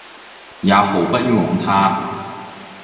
也毫不寃枉他。